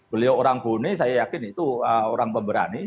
beliau orang bone saya yakin itu orang pemberani